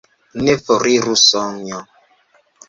Ne foriru, Sonjo!